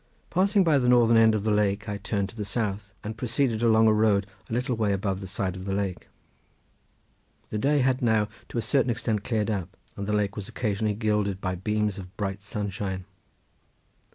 Passing by the northern end of the lake I turned to the south and proceeded along a road a little way above the side of the lake. The day had now to a certain extent cleared up, and the lake was occasionally gilded by beams of bright sunshine.